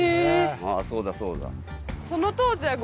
そうだそうだ。